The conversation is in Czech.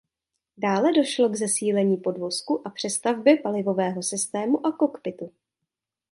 Dále došlo k zesílení podvozku a přestavbě palivového systému a kokpitu.